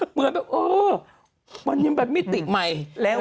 เหมือนวันนี้มันแบบมิติใหม่